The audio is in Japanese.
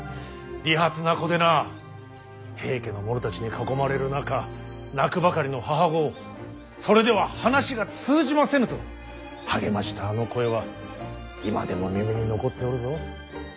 利発な子でな平家の者たちに囲まれる中泣くばかりの母御をそれでは話が通じませぬと励ましたあの声は今でも耳に残っておるぞ。